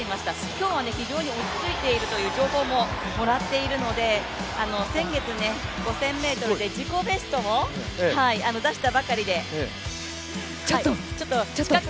今日は非常に落ち着いているという情報ももらっているので、先月５０００ｍで自己ベストを出したばかりで。